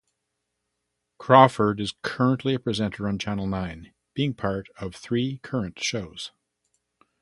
Crawford is currently a presenter on Channel Nine, being part of three current shows.